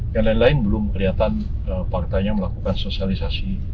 yang lain lain belum kelihatan partainya melakukan sosialisasi